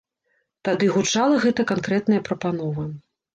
Тады гучала гэта канкрэтная прапанова.